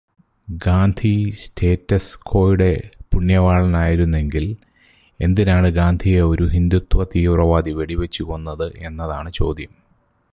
Gandhi status ക്വോയുടെ പുണ്യവാളനായിരുന്നെങ്കില് എന്തിനാണു ഗാന്ധിയെ ഒരു ഹിന്ദുത്വതീവ്രവാദി വെടിവച്ച് കൊന്നത് എന്നതാണു ചോദ്യം.